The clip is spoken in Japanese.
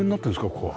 ここは。